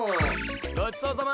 ごちそうさま。